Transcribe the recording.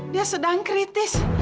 dia sedang kritis